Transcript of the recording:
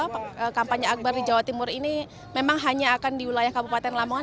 karena kampanye akbar di jawa timur ini memang hanya akan di wilayah kabupaten lamongan